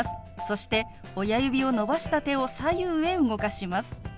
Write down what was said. そして親指を伸ばした手を左右へ動かします。